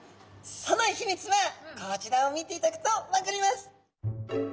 その秘密はこちらを見ていただくと分かります。